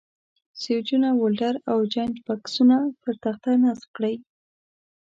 سویچونه، ولډر او جاینټ بکسونه پر تخته نصب کړئ.